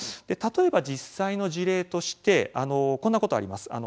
例えば実際の事例としてこんなことあります。